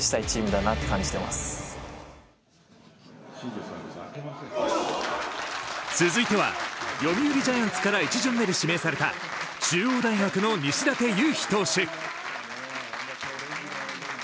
本音を聞くと続いては、読売ジャイアンツから１巡目で指名された中央大学の西舘勇陽投手。